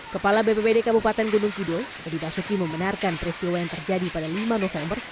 kepala bppd kabupaten gunung kidul edi basuki membenarkan peristiwa yang terjadi pada lima november